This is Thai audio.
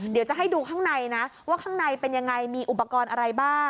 เดี๋ยวจะให้ดูข้างในนะว่าข้างในเป็นยังไงมีอุปกรณ์อะไรบ้าง